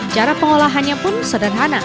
cara pengolahannya pun sederhana